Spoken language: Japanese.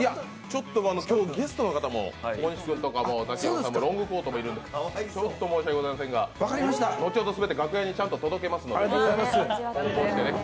ちょっと、ゲストの方も、大西さんとかロングコートもいるんでちょっと申し訳ありませんが後ほど全て楽屋に届けますので。